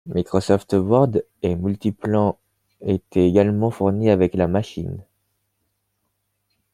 Microsoft Word et Multiplan étaient également fournis avec la machine.